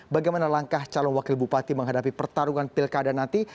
bagaimana langkah calon wakil bupati menghadapi pertarungan pilkada nanti